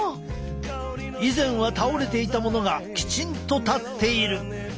以前は倒れていたものがきちんと立っている！